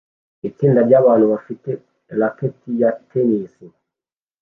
Itsinda ryabantu bafite racket ya tennis